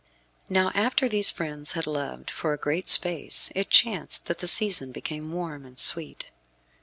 Now after these friends had loved for a great space it chanced that the season became warm and sweet.